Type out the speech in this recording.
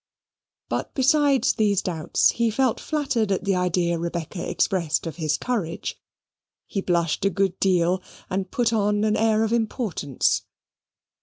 But besides these doubts he felt flattered at the idea Rebecca expressed of his courage. He blushed a good deal, and put on an air of importance.